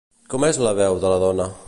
Com és la veu de la dona?